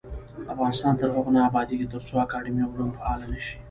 افغانستان تر هغو نه ابادیږي، ترڅو اکاډمي علوم فعاله نشي.